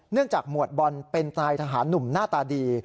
เนื่องจากหมวดบ่อนเป็นทายทหารหนุ่มหน้าตาดี